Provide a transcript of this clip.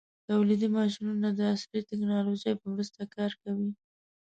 تولیدي ماشینونه د عصري ټېکنالوژۍ په مرسته کار کوي.